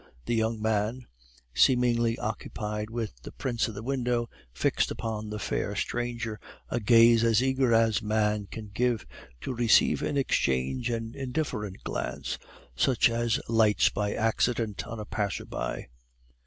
The young man, seemingly occupied with the prints in the window, fixed upon the fair stranger a gaze as eager as man can give, to receive in exchange an indifferent glance, such as lights by accident on a passer by.